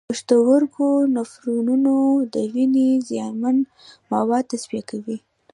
د پښتورګو نفرونونه د وینې زیانمن مواد تصفیه کوي.